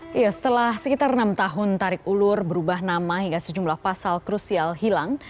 hai ya setelah sekitar enam tahun tarik ulur berubah nama hingga sejumlah pasal krusial hilang